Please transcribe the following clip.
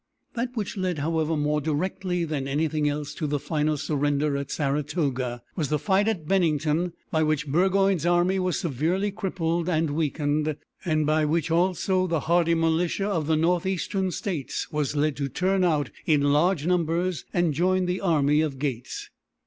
That which led, however, more directly than anything else to the final surrender at Saratoga was the fight at Bennington, by which Burgoyne's army was severely crippled and weakened, and by which also, the hardy militia of the North eastern States were led to turn out in large numbers and join the army of Gates.